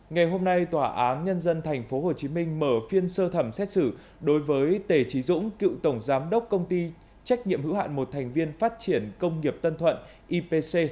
ngày hôm nay tòa án nhân dân tp hcm mở phiên sơ thẩm xét xử đối với tề trí dũng cựu tổng giám đốc công ty trách nhiệm hữu hạn một thành viên phát triển công nghiệp tân thuận ipc